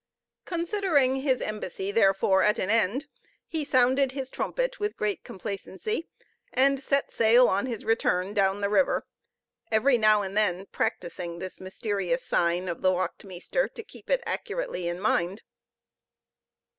Considering his embassy therefore at an end, he sounded his trumpet with great complacency, and set sail on his return down the river, every now and then practising this mysterious sign of the wacht meester, to keep it accurately in mind.